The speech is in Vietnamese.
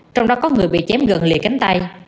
trong đó có người bị chém gần lìa cánh tay